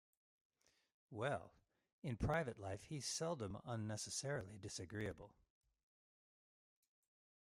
Well, in private life he's seldom unnecessarily disagreeable.